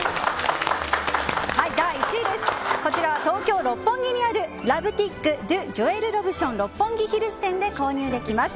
こちらは東京・六本木にあるラブティックドゥジョエル・ロブション六本木ヒルズ店で購入できます。